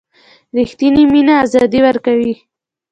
ریښتینې مینه آزادي ورکوي.